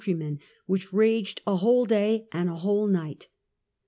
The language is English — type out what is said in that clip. yjj^gj ^^ which raged a whole day and a whole night.